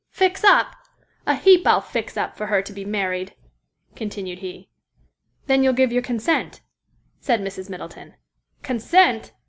"Fix up! A heap I'll fix up for her to be married," continued he. "Then you'll give your consent?" said Mrs. Middleton. "Consent!